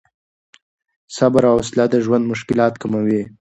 صبر او حوصله د ژوند مشکلات کموي.